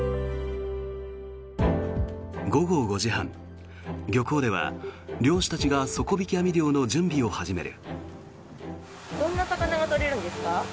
午後５時半、漁港では漁師たちが底引き網漁の準備を始める。